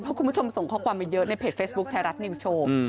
เพราะคุณผู้ชมส่งข้อความมาเยอะในเพจเฟซบุ๊คไทยรัฐนิวส์โชว์